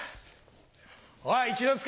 おい一之輔！